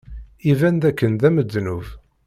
Iban dakken d amednub.